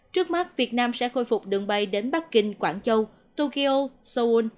trước mắt việt nam sẽ khôi phục đường bay đến bắc kinh quảng châu tokyo seoul